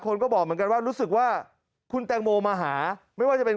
คนก็บอกเหมือนกันว่ารู้สึกว่าคุณแตงโมมาหาไม่ว่าจะเป็น